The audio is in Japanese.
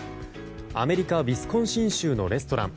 アメリカ・ウィスコンシン州のレストラン。